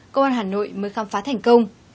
công an hà nội mới khám phá thành công